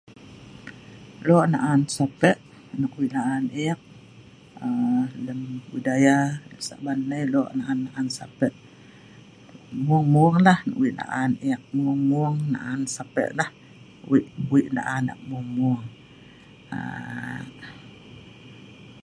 Lo' naan sape' nok wei' laan ek aaa lem budaya lun Saban nai lo' naan-naan sape', mung-munglah wei' laan ek. Mung-mung naan sape' nah wei'-wei laan ek mun-mung aaa